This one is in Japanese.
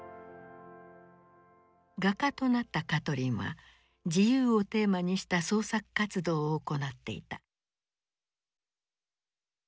画家となったカトリンは「自由」をテーマにした創作活動を行っていた。